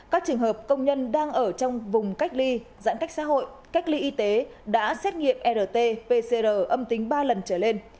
các trường hợp công nhân đang ở trong vùng cách ly giãn cách xã hội cách ly y tế đã xét nghiệm rt pcr âm tính ba lần trở lên